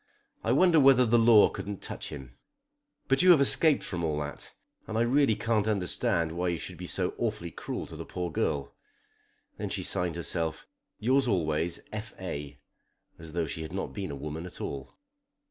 I wonder whether the law couldn't touch him! But you have escaped from all that, and I really can't understand why you should be so awfully cruel to the poor girl." Then she signed herself "Yours always, F. A." as though she had not been a woman at all.